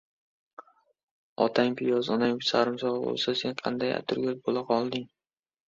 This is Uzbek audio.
• Otang ― piyoz, onang sarimsoq bo‘lsa, sen qanday atirgul bo‘laqolding?